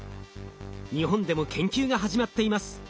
日本でも研究が始まっています。